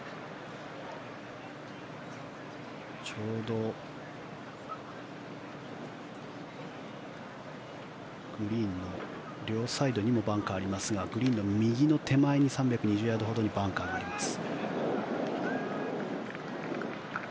ちょうどグリーンの両サイドにもバンカーがありますがグリーンの右の手前に３２０ヤードほどにバンカーがあります。